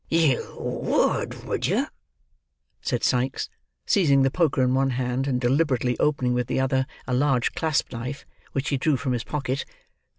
"You would, would you?" said Sikes, seizing the poker in one hand, and deliberately opening with the other a large clasp knife, which he drew from his pocket.